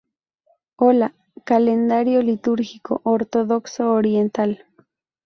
Hola, Calendario litúrgico ortodoxo oriental.